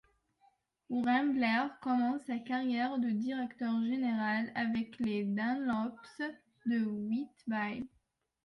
Wren Blair commence sa carrière de directeur général avec les Dunlops de Whitby.